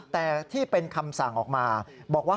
แต่ที่เป็นคำสั่งออกมาบอกว่า